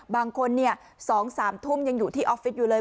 บางคน๒๓ทุ่มยังอยู่ที่ออฟฟิศอยู่เลย